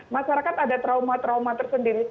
masyarakat ada trauma trauma tersendiri